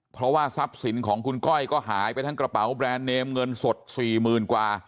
เพราะว่าทรัพย์สินของคุณก้อยก็หายไปทั้งกระเป๋าแบรนด์เนมเงินสด๔๐๐๐กว่า